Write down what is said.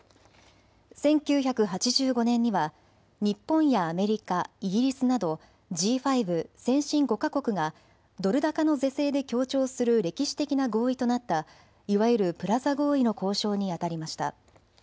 １９８５年には日本やアメリカ、イギリスなどＧ５・先進５か国がドル高の是正で協調する歴史的な合意となったいわゆるプラザ合意の交渉にあたりました。